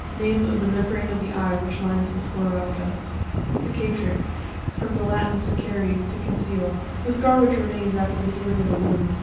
Name of the mem brane of the eye which lines the sclerotica. Crca'tr1x.—From the Latin, cecare, to conceal. The scar which re mains after the healing of a wound.